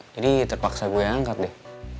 jadi terpaksa gue angkat deh